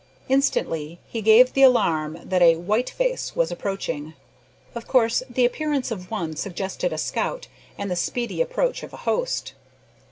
Instantly he gave the alarm that a "white face" was approaching. Of course the appearance of one suggested a scout, and the speedy approach of a host.